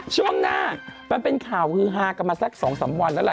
ช่วงหน้าเป็นข่าวคือฮากับมาสัก๒๓วันแล้ว